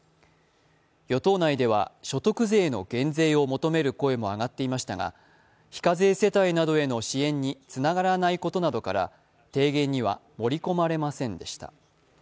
与党内では所得税の減税を求める声も上がっていましたが非課税世帯などへの支援につながらないことなどから、提言には盛り込まれませんでした。